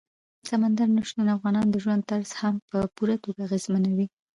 سمندر نه شتون د افغانانو د ژوند طرز هم په پوره توګه اغېزمنوي.